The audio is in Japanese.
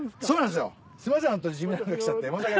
そうなんですよ。